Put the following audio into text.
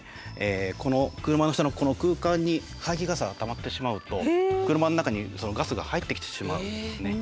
この車の下の空間に排気ガスがたまってしまうと車の中にガスが入ってきてしまうんですね。